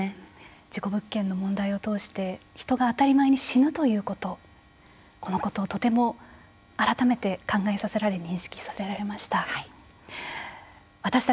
事故物件のことを通して人が当たり前に死ぬということこのことをとても改めて考えさせられ認識させられました。